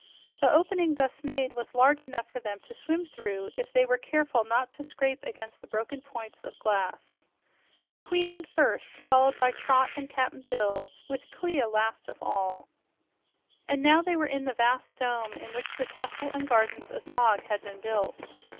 The opening thus made was large enough for them to swim through if they were careful not to scrape against the broken points of glass. The queen went first, followed by Trot and Cap'n Bill, with Clia last of all. And now they were in the vast dome in which the castle and gardens of Zog had been built.